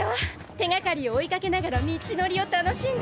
手がかりを追いかけながら道のりを楽しんだ。